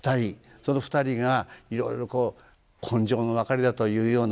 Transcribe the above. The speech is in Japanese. その２人がいろいろこう今生の別れだとかというような気持ちとか